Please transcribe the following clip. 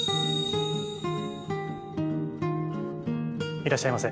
いらっしゃいませ。